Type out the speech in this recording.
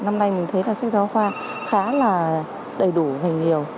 năm nay mình thấy là sách giáo khoa khá là đầy đủ và nhiều